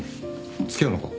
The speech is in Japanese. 付き合うのか？